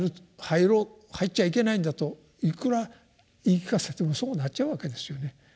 入ろう入っちゃいけないんだといくら言い聞かせてもそうなっちゃうわけですよね。